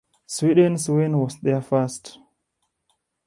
Sweden's win was their first.